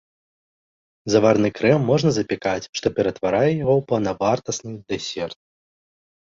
Заварны крэм можна запякаць, што ператварае яго ў паўнавартасны дэсерт.